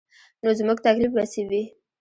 نو زموږ تکلیف به څه وي.